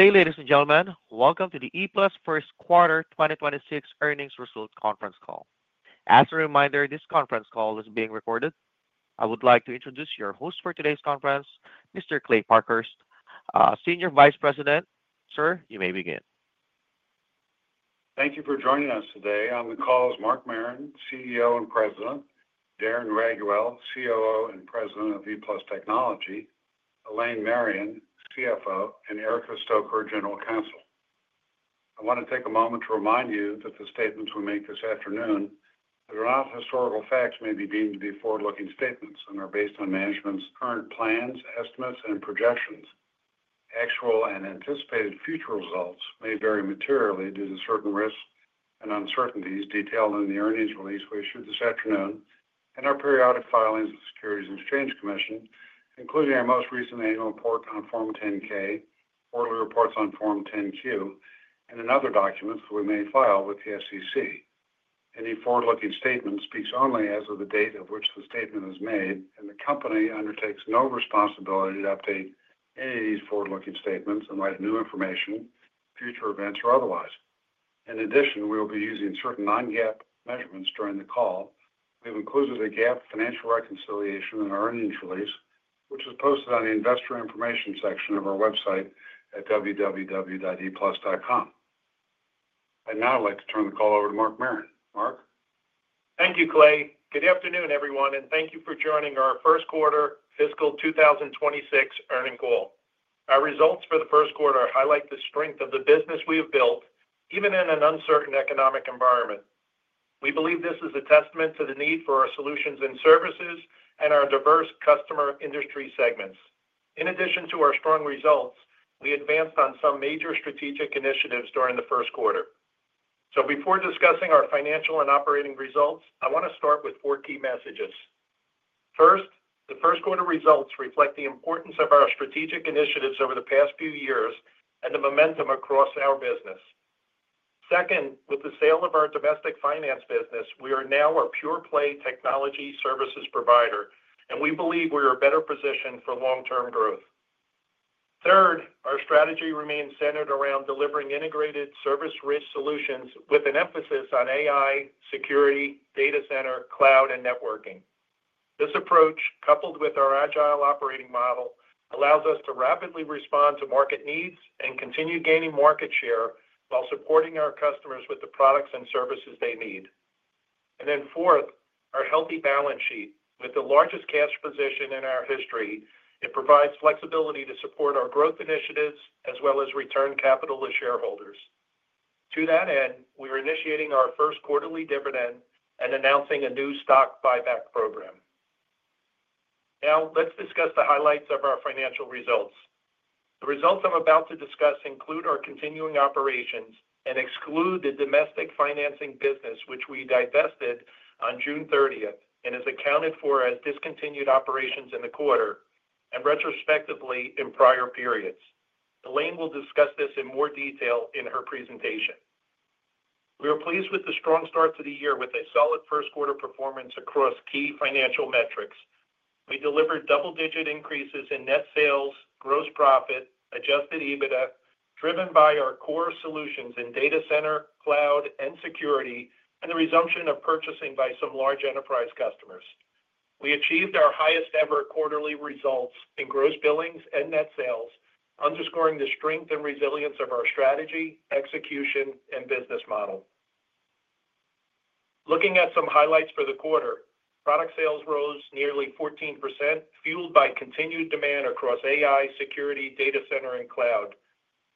Ladies and gentlemen, welcome to the ePlus First Quarter 2026 Earnings Result Conference Call. As a reminder, this conference call is being recorded. I would like to introduce your host for today's conference, Mr. Kley Parkhurst, Senior Vice President. Sir, you may begin. Thank you for joining us today. On the call is Mark Marron, CEO and President, Darren Raiguel, COO and President of ePlus Technology, Elaine Marion, CFO, and Erica Stoecker, General Counsel. I want to take a moment to remind you that the statements we make this afternoon are not historical facts, may be deemed to be forward-looking statements, and are based on management's current plans, estimates, and projections. Actual and anticipated future results may vary materially due to certain risks and uncertainties detailed in the earnings release we issued this afternoon and our periodic filings of the Securities and Exchange Commission, including our most recent annual report on Form 10-K, quarterly reports on Form 10-Q, and other documents we may file with the SEC. Any forward-looking statement speaks only as of the date at which the statement is made, and the company undertakes no responsibility to update any of these forward-looking statements in light of new information, future events, or otherwise. In addition, we will be using certain non-GAAP measurements during the call. We've included the GAAP Financial Reconciliation in our earnings release, which was posted on the Investor Information section of our website at www.eplus.com. I'd now like to turn the call over to Mark Marron. Mark. Thank you, Kley. Good afternoon, everyone, and thank you for joining our First Quarter Fiscal 2026 Earnings Call. Our results for the first quarter highlight the strength of the business we have built, even in an uncertain economic environment. We believe this is a testament to the need for our solutions and services and our diverse customer industry segments. In addition to our strong results, we advanced on some major strategic initiatives during the first quarter. Before discussing our financial and operating results, I want to start with four key messages. First, the first quarter results reflect the importance of our strategic initiatives over the past few years and the momentum across our business. Second, with the sale of our domestic financing business, we are now a pure-play technology services provider, and we believe we are better positioned for long-term growth. Third, our strategy remains centered around delivering integrated service-rich solutions with an emphasis on artificial intelligence, security, data center, cloud, and networking. This approach, coupled with our agile operating model, allows us to rapidly respond to market needs and continue gaining market share while supporting our customers with the products and services they need. Fourth, our healthy balance sheet, with the largest cash position in our history, provides flexibility to support our growth initiatives as well as return capital to shareholders. To that end, we are initiating our first quarterly dividend and announcing a new share repurchase program. Now, let's discuss the highlights of our financial results. The results I'm about to discuss include our continuing operations and exclude the domestic financing business, which we divested on June 30th and is accounted for as discontinued operations in the quarter and retrospectively in prior periods. Elaine will discuss this in more detail in her presentation. We are pleased with the strong start to the year with a solid first quarter performance across key financial metrics. We delivered double-digit increases in net sales, gross profit, adjusted EBITDA, driven by our core solutions in data center, cloud, and security, and the resumption of purchasing by some large enterprise customers. We achieved our highest ever quarterly results in gross billings and net sales, underscoring the strength and resilience of our strategy, execution, and business model. Looking at some highlights for the quarter, product sales rose nearly 14%, fueled by continued demand across AI, security, data center, and cloud.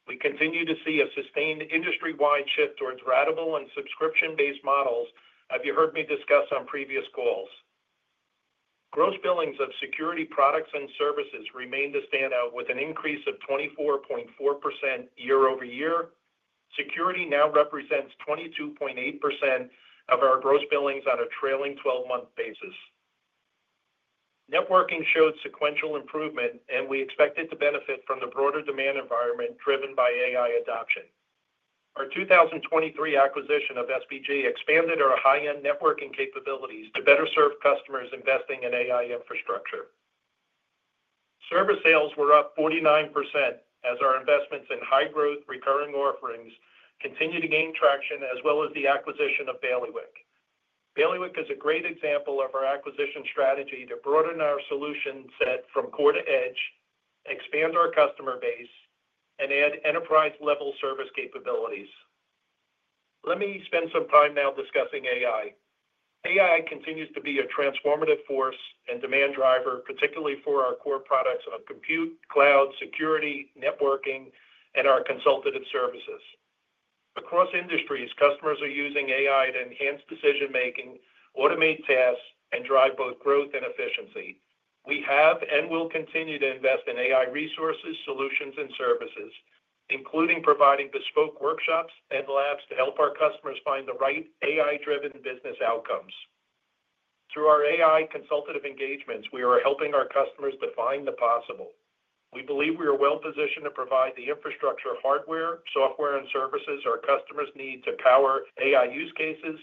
We continue to see a sustained industry-wide shift towards ratable and subscription-based models, as you heard me discuss on previous calls. Gross billings of security products and services remain to stand out with an increase of 24.4% year-over-year. Security now represents 22.8% of our gross billings on a trailing 12-month basis. Networking showed sequential improvement, and we expected to benefit from the broader demand environment driven by AI adoption. Our 2023 acquisition of SBG expanded our high-end networking capabilities to better serve customers investing in AI infrastructure. Service sales were up 49% as our investments in high-growth recurring offerings continue to gain traction, as well as the acquisition of Bailiwick. Bailiwick is a great example of our acquisition strategy to broaden our solution set from core to edge, expand our customer base, and add enterprise-level service capabilities. Let me spend some time now discussing AI. AI continues to be a transformative force and demand driver, particularly for our core products of compute, cloud, security, networking, and our consultative services. Across industries, customers are using AI to enhance decision-making, automate SaaS, and drive both growth and efficiency. We have and will continue to invest in AI resources, solutions, and services, including providing bespoke workshops and labs to help our customers find the right AI-driven business outcomes. Through our AI consultative engagements, we are helping our customers define the possible. We believe we are well-positioned to provide the infrastructure, hardware, software, and services our customers need to power AI use cases,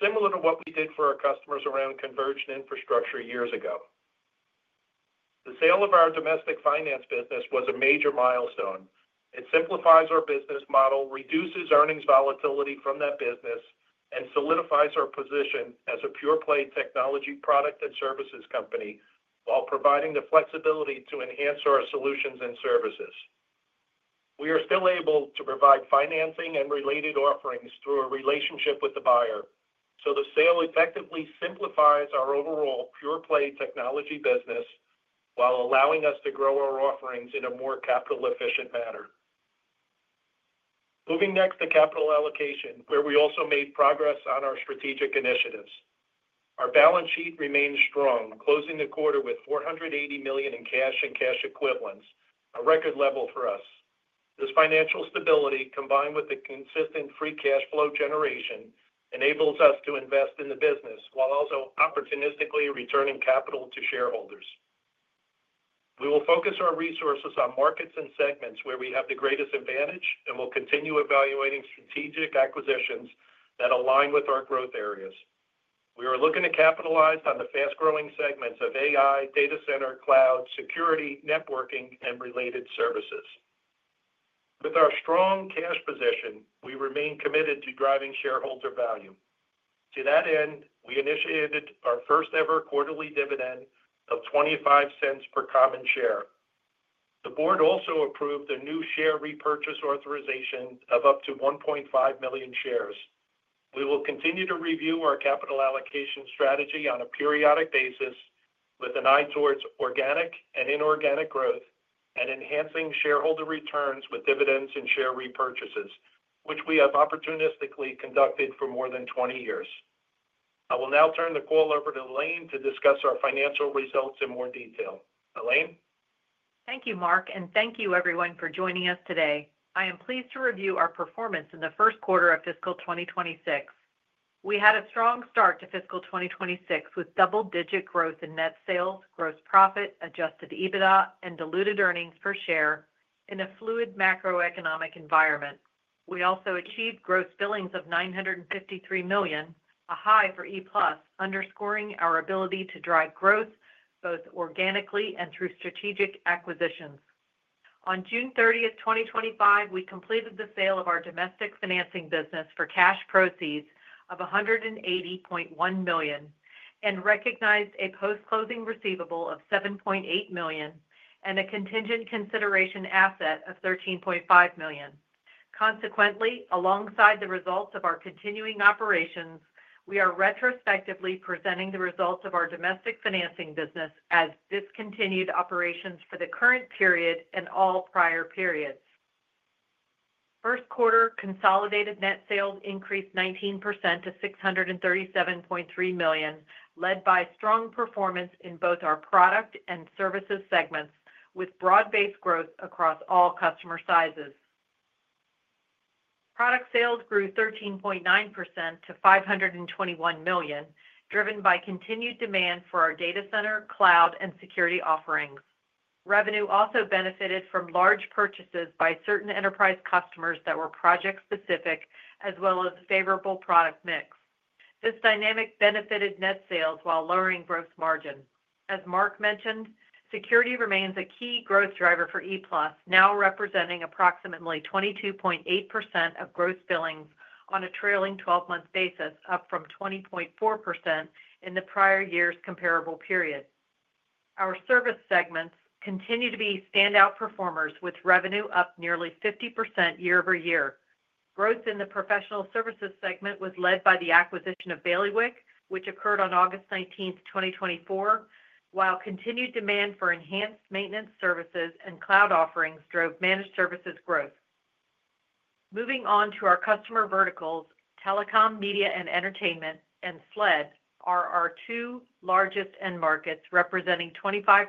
similar to what we did for our customers around converged infrastructure years ago. The sale of our domestic finance business was a major milestone. It simplifies our business model, reduces earnings volatility from that business, and solidifies our position as a pure-play technology product and services company while providing the flexibility to enhance our solutions and services. We are still able to provide financing and related offerings through our relationship with the buyer. The sale effectively simplifies our overall pure-play technology business while allowing us to grow our offerings in a more capital-efficient manner. Moving next to capital allocation, where we also made progress on our strategic initiatives. Our balance sheet remains strong, closing the quarter with $480 million in cash and cash equivalents, a record level for us. This financial stability, combined with the consistent free cash flow generation, enables us to invest in the business while also opportunistically returning capital to shareholders. We will focus our resources on markets and segments where we have the greatest advantage and will continue evaluating strategic acquisitions that align with our growth areas. We are looking to capitalize on the fast-growing segments of AI, data center, cloud, security, networking, and related services. With our strong cash position, we remain committed to driving shareholder value. To that end, we initiated our first-ever quarterly dividend of $0.25 per common share. The board also approved a new share repurchase authorization of up to 1.5 million shares. We will continue to review our capital allocation strategy on a periodic basis with an eye towards organic and inorganic growth and enhancing shareholder returns with dividends and share repurchases, which we have opportunistically conducted for more than 20 years. I will now turn the call over to Elaine to discuss our financial results in more detail. Elaine? Thank you, Mark, and thank you, everyone, for joining us today. I am pleased to review our performance in the first quarter of fiscal 2026. We had a strong start to fiscal 2026 with double-digit growth in net sales, gross profit, adjusted EBITDA, and diluted earnings per share in a fluid macroeconomic environment. We also achieved gross billings of $953 million, a high for ePlus, underscoring our ability to drive growth both organically and through strategic acquisitions. On June 30th, 2025, we completed the sale of our domestic financing business for cash proceeds of $180.1 million and recognized a post-closing receivable of $7.8 million and a contingent consideration asset of $13.5 million. Consequently, alongside the results of our continuing operations, we are retrospectively presenting the results of our domestic financing business as discontinued operations for the current period and all prior periods. First quarter consolidated net sales increased 19% to $637.3 million, led by strong performance in both our product and services segments with broad-based growth across all customer sizes. Product sales grew 13.9% to $521 million, driven by continued demand for our data center, cloud, and security offerings. Revenue also benefited from large purchases by certain enterprise customers that were project-specific, as well as a favorable product mix. This dynamic benefited net sales while lowering gross margins. As Mark mentioned, security remains a key growth driver for ePlus, now representing approximately 22.8% of gross billings on a trailing 12-month basis, up from 20.4% in the prior year's comparable period. Our service segments continue to be standout performers, with revenue up nearly 50% year-over-year. Growth in the professional services segment was led by the acquisition of Bailiwick, which occurred on August 19th, 2024, while continued demand for enhanced maintenance services and cloud offerings drove managed services growth. Moving on to our customer verticals, telecom, media, and entertainment, and SLED are our two largest end markets, representing 25%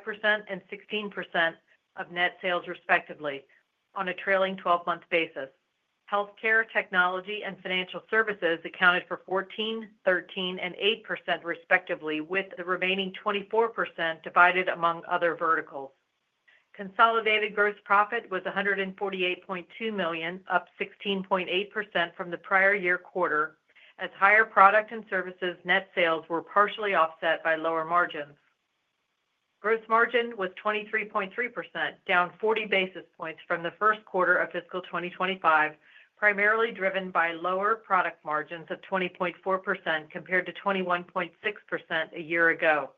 and 16% of net sales, respectively, on a trailing 12-month basis. Healthcare, technology, and financial services accounted for 14%, 13%, and 8% respectively, with the remaining 24% divided among other verticals. Consolidated gross profit was $148.2 million, up 16.8% from the prior year quarter, as higher product and services net sales were partially offset by lower margins. Gross margin was 23.3%, down 40 basis points from the first quarter of fiscal 2025, primarily driven by lower product margins of 20.4% compared to 21.6% a year ago.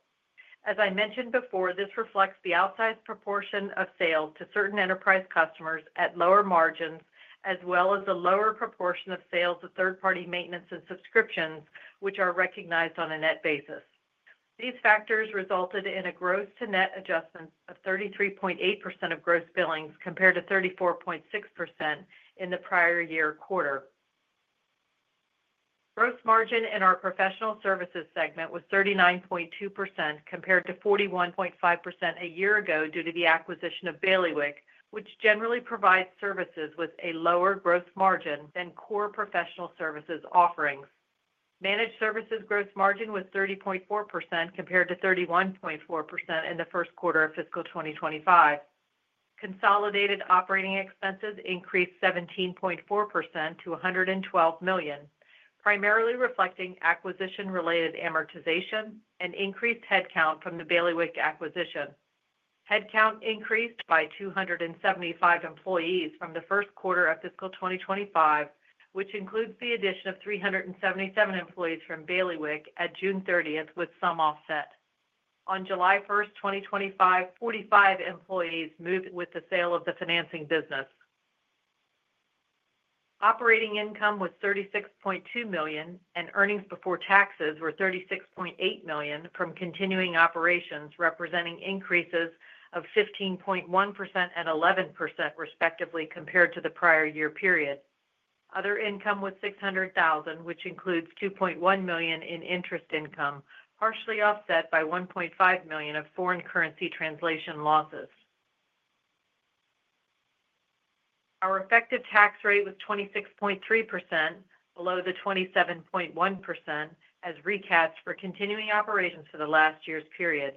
As I mentioned before, this reflects the outsized proportion of sales to certain enterprise customers at lower margins, as well as a lower proportion of sales to third-party maintenance and subscriptions, which are recognized on a net basis. These factors resulted in a gross-to-net adjustment of 33.8% of gross billings compared to 34.6% in the prior year quarter. Gross margin in our professional services segment was 39.2% compared to 41.5% a year ago due to the acquisition of Bailiwick, which generally provides services with a lower gross margin than core professional services offerings. Managed services gross margin was 30.4% compared to 31.4% in the first quarter of fiscal 2025. Consolidated operating expenses increased 17.4% to $112 million, primarily reflecting acquisition-related amortization and increased headcount from the Bailiwick acquisition. Headcount increased by 275 employees from the first quarter of fiscal 2025, which includes the addition of 377 employees from Bailiwick at June 30th, with some offset. On July 1st, 2025, 45 employees moved with the sale of the financing business. Operating income was $36.2 million, and earnings before taxes were $36.8 million from continuing operations, representing increases of 15.1% and 11% respectively compared to the prior year period. Other income was $600,000, which includes $2.1 million in interest income, partially offset by $1.5 million of foreign currency translation losses. Our effective tax rate was 26.3%, below the 27.1% as recast for continuing operations for the last year's period.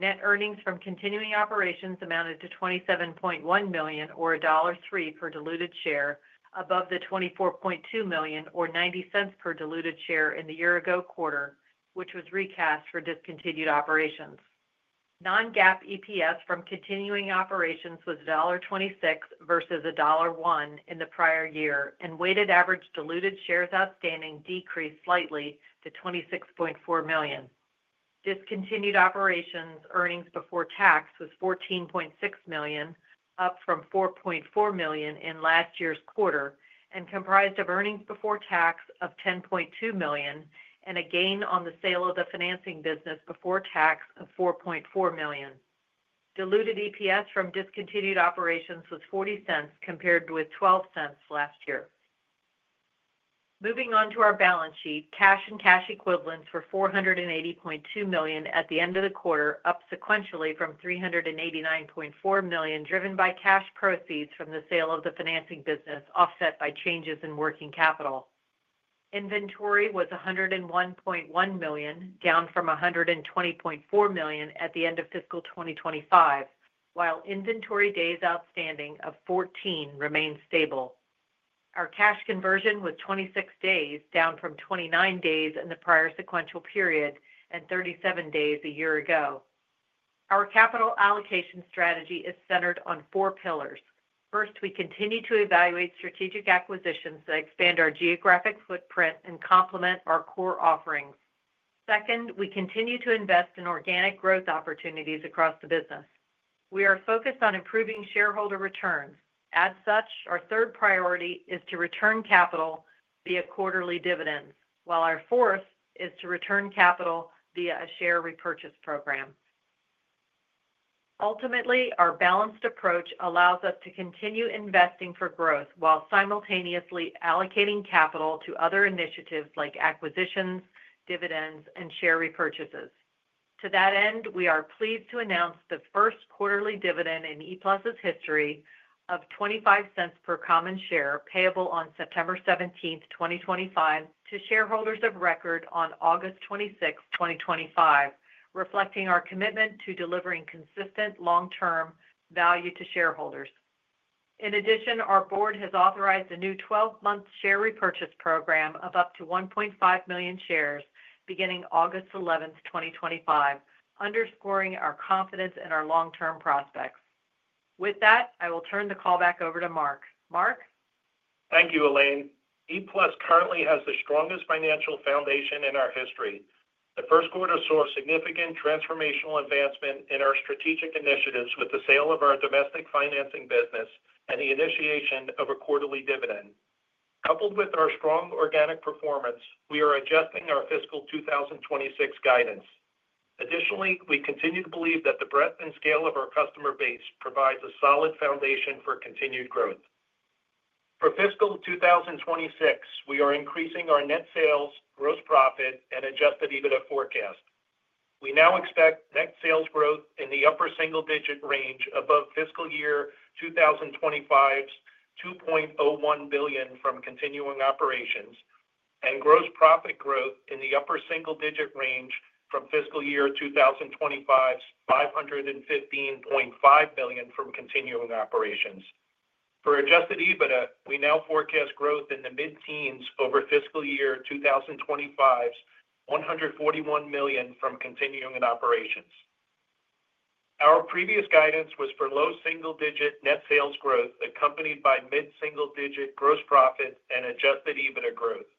Net earnings from continuing operations amounted to $27.1 million, or $1.03 per diluted share, above the $24.2 million, or $0.90 per diluted share in the year ago quarter, which was recast for discontinued operations. Non-GAAP EPS from continuing operations was $1.26 versus $1.01 in the prior year, and weighted average diluted shares outstanding decreased slightly to 26.4 million. Discontinued operations earnings before tax was $14.6 million, up from $4.4 million in last year's quarter, and comprised of earnings before tax of $10.2 million and a gain on the sale of the financing business before tax of $4.4 million. Diluted EPS from discontinued operations was $0.40 compared with $0.12 last year. Moving on to our balance sheet, cash and cash equivalents were $480.2 million at the end of the quarter, up sequentially from $389.4 million, driven by cash proceeds from the sale of the financing business, offset by changes in working capital. Inventory was $101.1 million, down from $120.4 million at the end of fiscal 2025, while inventory days outstanding of 14 remained stable. Our cash conversion was 26 days, down from 29 days in the prior sequential period and 37 days a year ago. Our capital allocation strategy is centered on four pillars. First, we continue to evaluate strategic acquisitions that expand our geographic footprint and complement our core offerings. Second, we continue to invest in organic growth opportunities across the business. We are focused on improving shareholder returns. As such, our third priority is to return capital via quarterly dividends, while our fourth is to return capital via a share repurchase program. Ultimately, our balanced approach allows us to continue investing for growth while simultaneously allocating capital to other initiatives like acquisitions, dividends, and share repurchases. To that end, we are pleased to announce the first quarterly dividend in ePlus' history of $0.25 per common share, payable on September 17th, 2025, to shareholders of record on August 26th, 2025, reflecting our commitment to delivering consistent long-term value to shareholders. In addition, our board has authorized a new 12-month share repurchase program of up to 1.5 million shares beginning August 11, 2025, underscoring our confidence in our long-term prospects. With that, I will turn the call back over to Mark. Mark? Thank you, Elaine. ePlus currently has the strongest financial foundation in our history. The first quarter saw significant transformational advancement in our strategic initiatives with the sale of our domestic financing business and the initiation of a quarterly dividend. Coupled with our strong organic performance, we are adjusting our fiscal 2026 guidance. Additionally, we continue to believe that the breadth and scale of our customer base provides a solid foundation for continued growth. For fiscal 2026, we are increasing our net sales, gross profit, and adjusted EBITDA forecast. We now expect net sales growth in the upper single-digit range above fiscal year 2025's $2.01 billion from continuing operations, and gross profit growth in the upper single-digit range from fiscal year 2025's $515.5 million from continuing operations. For adjusted EBITDA, we now forecast growth in the mid-teens over fiscal year 2025's $141 million from continuing operations. Our previous guidance was for low single-digit net sales growth accompanied by mid-single-digit gross profit and adjusted EBITDA growth.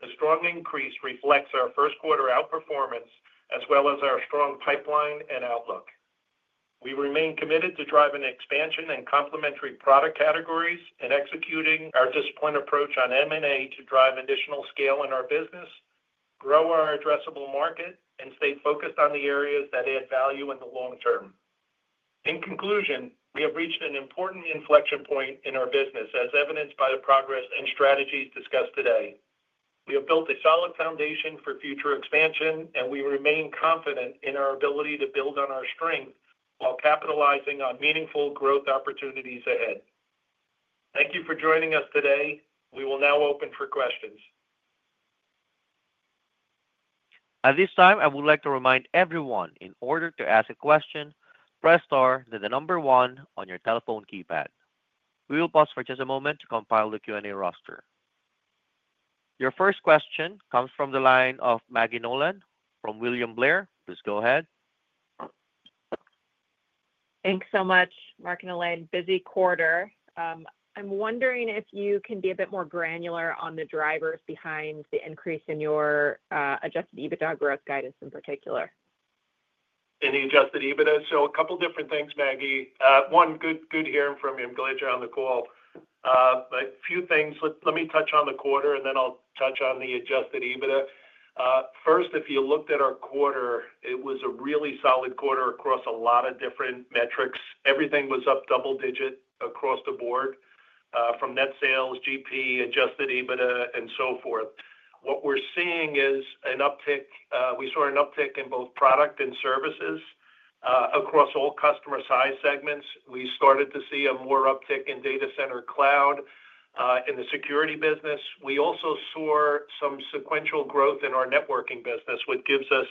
The strong increase reflects our first quarter outperformance as well as our strong pipeline and outlook. We remain committed to driving expansion in complementary product categories and executing our disciplined approach on M&A to drive additional scale in our business, grow our addressable market, and stay focused on the areas that add value in the long term. In conclusion, we have reached an important inflection point in our business, as evidenced by the progress and strategies discussed today. We have built a solid foundation for future expansion, and we remain confident in our ability to build on our strength while capitalizing on meaningful growth opportunities ahead. Thank you for joining us today. We will now open for questions. At this time, I would like to remind everyone, in order to ask a question, press star then the number one on your telephone keypad. We will pause for just a moment to compile the Q&A roster. Your first question comes from the line of Maggie Nolan from William Blair. Please go ahead. Thanks so much, Mark and Elaine. Busy quarter. I'm wondering if you can be a bit more granular on the drivers behind the increase in your adjusted EBITDA growth guidance in particular. In the adjusted EBITDA? A couple of different things, Maggie. One, good hearing from you and glad you're on the call. A few things. Let me touch on the quarter, and then I'll touch on the adjusted EBITDA. First, if you looked at our quarter, it was a really solid quarter across a lot of different metrics. Everything was up double-digit across the board from net sales, GP, adjusted EBITDA, and so forth. What we're seeing is an uptick. We saw an uptick in both product and services across all customer size segments. We started to see more uptick in data center, cloud, and the security business. We also saw some sequential growth in our networking business, which keeps us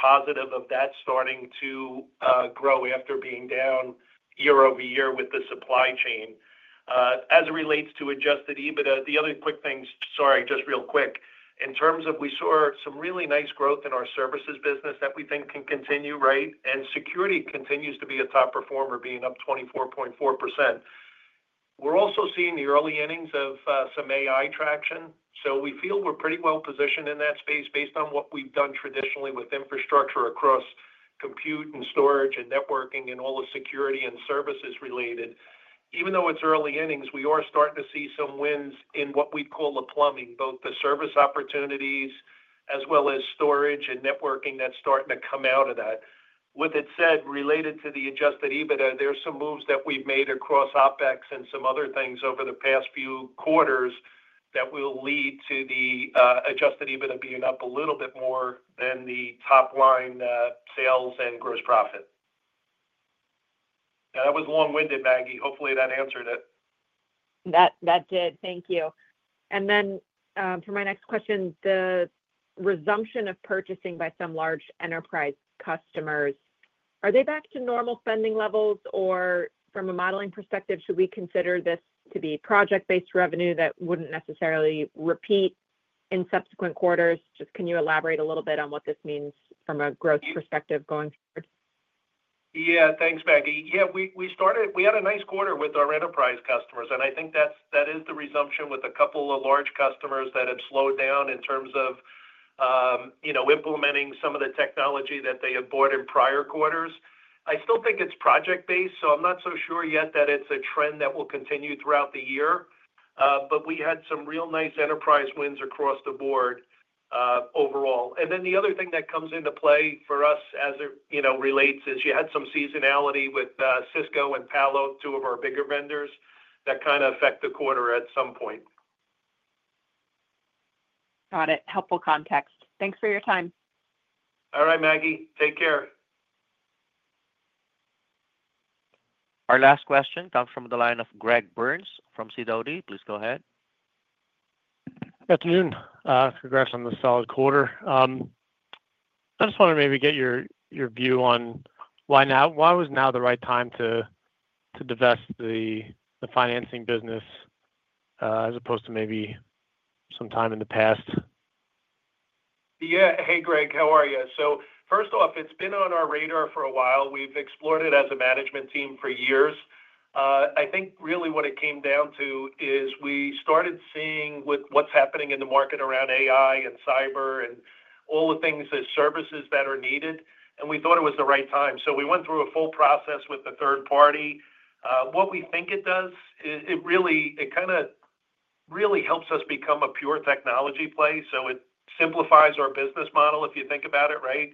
positive of that starting to grow after being down year over year with the supply chain. As it relates to adjusted EBITDA, the other quick things, in terms of, we saw some really nice growth in our services business that we think can continue, right? Security continues to be a top performer, being up 24.4%. We're also seeing the early innings of some AI traction. We feel we're pretty well positioned in that space based on what we've done traditionally with infrastructure across compute and storage and networking and all the security and services related. Even though it's early innings, we are starting to see some wins in what we call the plumbing, both the service opportunities as well as storage and networking that's starting to come out of that. With it said, related to the adjusted EBITDA, there's some moves that we've made across OpEx and some other things over the past few quarters that will lead to the adjusted EBITDA being up a little bit more than the top line sales and gross profit. That was long-winded, Maggie. Hopefully, that answered it. Thank you. For my next question, the resumption of purchasing by some large enterprise customers, are they back to normal spending levels? From a modeling perspective, should we consider this to be project-based revenue that wouldn't necessarily repeat in subsequent quarters? Can you elaborate a little bit on what this means from a growth perspective going forward? Yeah, thanks, Maggie. We had a nice quarter with our enterprise customers, and I think that is the resumption with a couple of large customers that have slowed down in terms of implementing some of the technology that they had bought in prior quarters. I still think it's project-based, so I'm not so sure yet that it's a trend that will continue throughout the year. We had some real nice enterprise wins across the board overall. The other thing that comes into play for us as it relates is you had some seasonality with Cisco and Palo, two of our bigger vendors, that kind of affect the quarter at some point. Got it. Helpful context. Thanks for your time. All right, Maggie. Take care. Our last question comes from the line of Greg Burns from SIDODI. Please go ahead. Good afternoon. Congrats on the solid quarter. I just want to maybe get your view on why now, why was now the right time to divest the financing business as opposed to maybe some time in the past? Yeah. Hey, Greg, how are you? First off, it's been on our radar for a while. We've explored it as a management team for years. I think really what it came down to is we started seeing what's happening in the market around artificial intelligence and cyber and all the things that services that are needed, and we thought it was the right time. We went through a full process with the third party. What we think it does, it really kind of helps us become a pure-play technology services provider. It simplifies our business model if you think about it, right?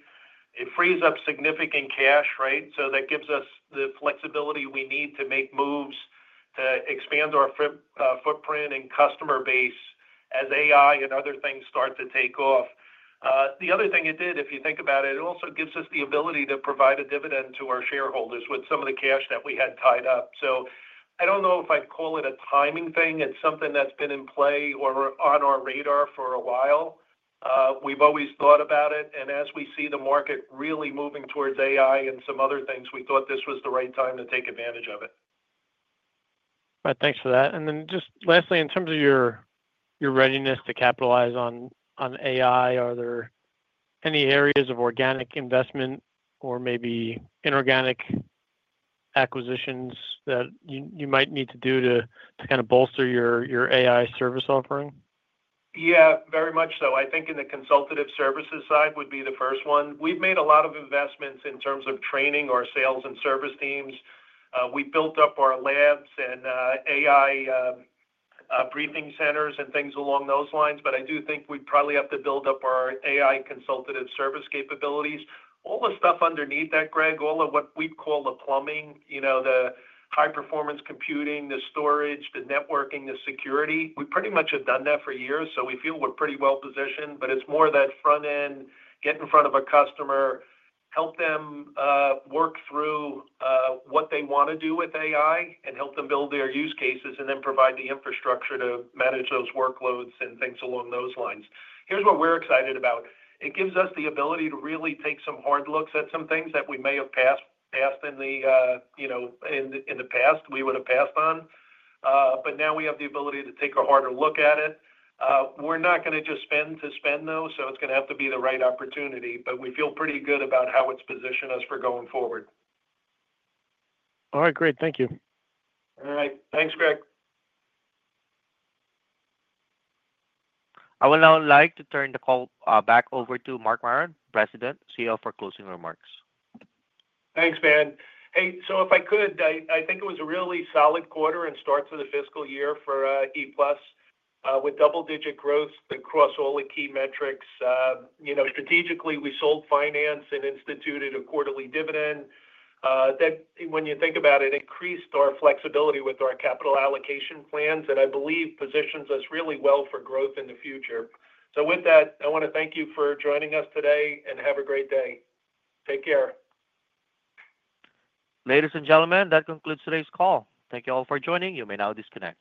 It frees up significant cash, right? That gives us the flexibility we need to make moves to expand our footprint and customer base as artificial intelligence and other things start to take off. The other thing it did, if you think about it, it also gives us the ability to provide a dividend to our shareholders with some of the cash that we had tied up. I don't know if I'd call it a timing thing and something that's been in play or on our radar for a while. We've always thought about it, and as we see the market really moving towards artificial intelligence and some other things, we thought this was the right time to take advantage of it. All right, thanks for that. Lastly, in terms of your readiness to capitalize on artificial intelligence, are there any areas of organic investment or maybe inorganic acquisitions that you might need to do to kind of bolster your artificial intelligence service offering? Yeah, very much so. I think in the consultative services side would be the first one. We've made a lot of investments in terms of training our sales and service teams. We built up our labs and AI briefing centers and things along those lines, but I do think we'd probably have to build up our AI consultative service capabilities. All the stuff underneath that, Greg, all of what we call the plumbing, you know, the high-performance computing, the storage, the networking, the security, we pretty much have done that for years, so we feel we're pretty well positioned. It's more of that front end, get in front of a customer, help them work through what they want to do with AI, and help them build their use cases and then provide the infrastructure to manage those workloads and things along those lines. Here's what we're excited about. It gives us the ability to really take some hard looks at some things that we may have passed in the past we would have passed on. Now we have the ability to take a harder look at it. We're not going to just spend to spend, though, so it's going to have to be the right opportunity, but we feel pretty good about how it's positioned us for going forward. All right, great. Thank you. All right, thanks, Greg. I would now like to turn the call back over to Mark Marron, President, CEO, for closing remarks. Thanks, man. Hey, if I could, I think it was a really solid quarter and start to the fiscal year for ePlus with double-digit growth across all the key metrics. You know, strategically, we sold finance and instituted a quarterly dividend. When you think about it, it increased our flexibility with our capital allocation plans that I believe positions us really well for growth in the future. With that, I want to thank you for joining us today and have a great day. Take care. Ladies and gentlemen, that concludes today's call. Thank you all for joining. You may now disconnect.